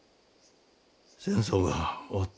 戦争が終わった。